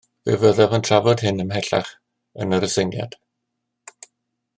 Fe fyddaf yn trafod hyn ymhellach yn yr aseiniad